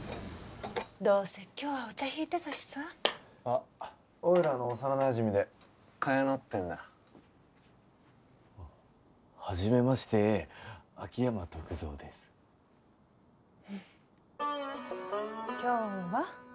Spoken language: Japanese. どうせ今日はお茶引いてたしさあッおいらの幼なじみで茅野ってんだ初めましてえ秋山篤蔵です今日は？